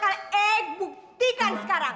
baik bakal eik buktikan sekarang